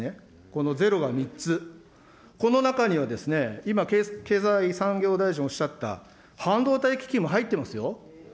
このゼロが３つ、この中には、今、経済産業大臣おっしゃった半導体基金も入ってますよ。